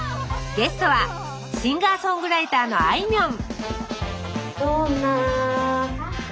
ゲストはシンガーソングライターのあいみょん